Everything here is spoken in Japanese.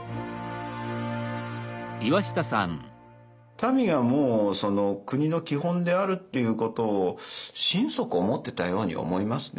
民がもうその国の基本であるっていうことを心底思ってたように思いますね